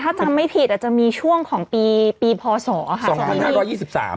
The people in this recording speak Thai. ถ้าจำไม่ผิดอาจจะมีช่วงของปีปีพศค่ะสองพันห้าร้อยยี่สิบสาม